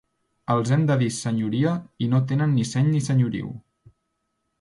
Els hem de dir “senyoria” i no tenen ni seny ni senyoriu.